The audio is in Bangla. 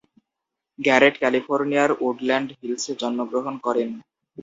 গ্যারেট ক্যালিফোর্নিয়ার উডল্যান্ড হিলসে জন্মগ্রহণ করেন।